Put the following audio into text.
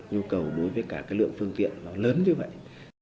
nhu cầu đối với cả cái lượng phương tiện nó lớn như vậy